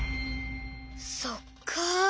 そっか。